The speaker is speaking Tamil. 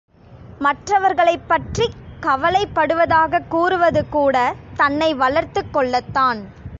மற்றவர்களைப் பற்றிக். கவலைப்படுவதாகக் கூறுவதுகூட தன்னை வளர்த்துக் கொள்ளத்தான்!